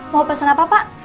mau pesen apa pak